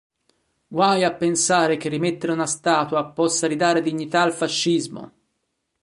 Guai a pensare che rimettere una statua possa ridare dignità al fascismo.